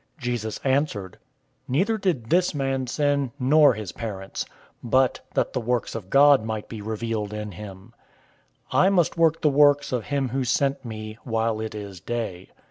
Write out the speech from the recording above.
009:003 Jesus answered, "Neither did this man sin, nor his parents; but, that the works of God might be revealed in him. 009:004 I must work the works of him who sent me, while it is day.